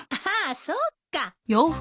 あそっか。